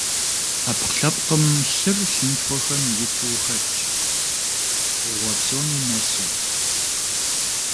Ӏэпкълъэпкъым лъыр лъынтхуэхэм иту хэтщ, пкъыгъуэ псоми нэсу.